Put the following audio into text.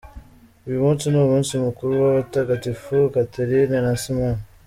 Uyu munsi ni umunsi mukuru w’abatagatifu: Catheline na Simon.